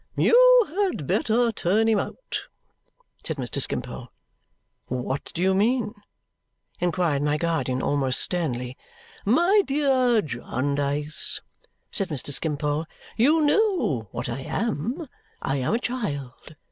"You had better turn him out," said Mr. Skimpole. "What do you mean?" inquired my guardian, almost sternly. "My dear Jarndyce," said Mr. Skimpole, "you know what I am: I am a child.